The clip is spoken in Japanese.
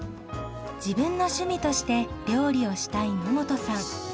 自分の趣味として料理をしたい野本さん。